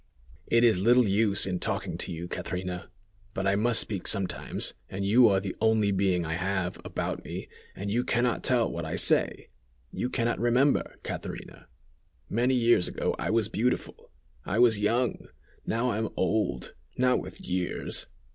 "It is little use in talking to you, Catrina: but I must speak sometimes, and you are the only being I have, about me, and you can not tell what I say. You can not remember, Catrina! Many years ago I was beautiful; I was young. Now I am old, not with years!